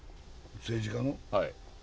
政治家の？